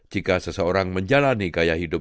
jika seseorang menjalani gaya hidup